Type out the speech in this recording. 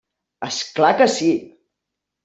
És clar que sí.